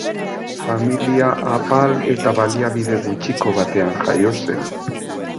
Familia apal eta baliabide gutxiko batean jaio zen.